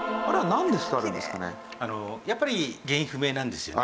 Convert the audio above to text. やっぱり原因不明なんですよ。